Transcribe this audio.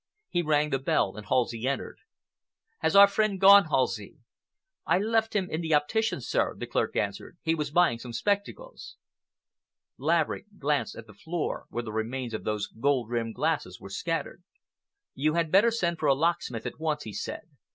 He rang the bell and Halsey entered. "Has our friend gone, Halsey?" "I left him in the optician's, sir," the clerk answered. "He was buying some spectacles." Laverick glanced at the floor, where the remains of those gold rimmed glasses were scattered. "You had better send for a locksmith at once," he said.